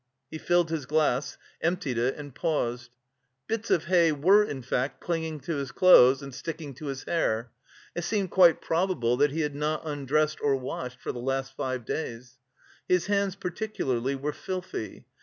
He filled his glass, emptied it and paused. Bits of hay were in fact clinging to his clothes and sticking to his hair. It seemed quite probable that he had not undressed or washed for the last five days. His hands, particularly, were filthy.